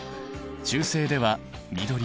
中性では緑色。